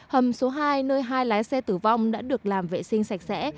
hầm số hai nơi hai lái xe tử vong đã được làm vệ sinh sạch sẽ